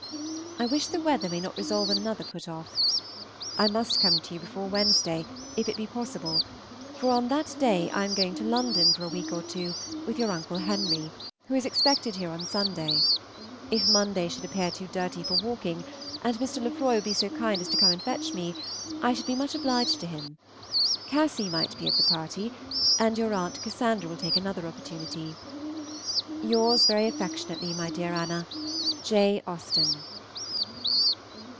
I wish the weather may not resolve on another put off. I must come to you before Wednesday if it be possible, for on that day I am going to London for a week or two with your Uncle Henry, who is expected here on Sunday. If Monday should appear too dirty for walking, and Mr. Lefroy would be so kind as to come and fetch me, I should be much obliged to him. Cassy might be of the party, and your Aunt Cassandra will take another opportunity. Yours very affectionately, my dear Anna, J. AUSTEN.